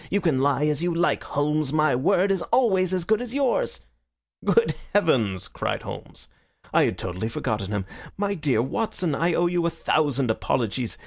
You can lie as you like, Holmes. My word is always as good as yours." "Good heavens!" cried Holmes. "I had totally forgotten him. My dear Watson, I owe you a thousand apologies.